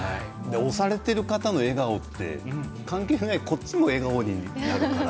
推されている方の笑顔って関係ないこっちも笑顔になるから。